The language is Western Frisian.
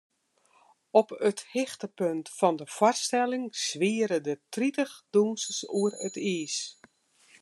Op it hichtepunt fan de foarstelling swiere der tritich dûnsers oer it iis.